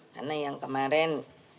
karena yang kemarin